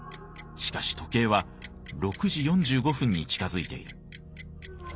しかし時計は６時４５分に近づいている。